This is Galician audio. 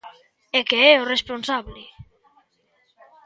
É que é o responsable.